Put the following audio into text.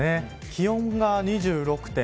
気温が２６．３度。